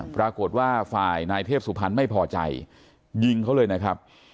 ปรากฏว่าฝ่ายนายเทพสุพรรณไม่พอใจยิงเขาเลยนะครับ